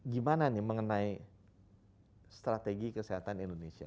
gimana nih mengenai strategi kesehatan indonesia